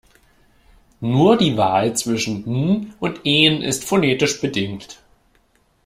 Nur die Wahl zwischen "-n" und "-en" ist phonetisch bedingt.